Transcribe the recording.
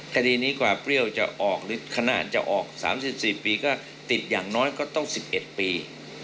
คดีนี้กว่าเปรี้ยวจะออกหรือขนาดจะออก๓๔ปีก็ติดอย่างน้อยก็ต้อง๑๑ปี